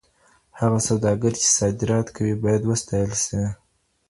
هغه سوداګر چي صادرات کوي بايد وستايل سي.